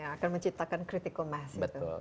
yang akan menciptakan kritikumah betul